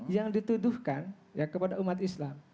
yang dituduhkan kepada umat islam